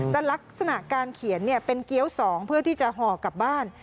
แต่ลักษณะการเขียนเป็นเกี้ยว๒เพื่อที่จะห่อกลับบ้าน